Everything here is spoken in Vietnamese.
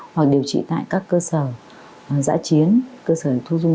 hoặc điều trị tại các cơ sở giã chiến cơ sở thu dung điều kiện